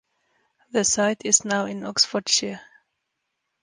The site is now in Oxfordshire.